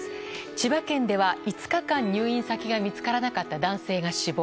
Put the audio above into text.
千葉県では５日間入院先が見つからなかった男性が死亡。